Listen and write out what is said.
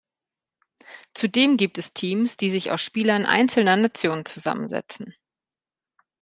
Zudem gibt es Teams, die sich aus Spielern einzelner Nationen zusammensetzen.